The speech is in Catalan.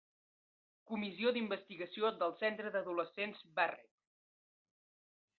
Comissió d'investigació del Centre d'Adolescents Barrett.